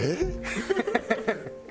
ハハハハ！